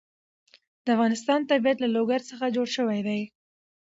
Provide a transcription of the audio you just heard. د افغانستان طبیعت له لوگر څخه جوړ شوی دی.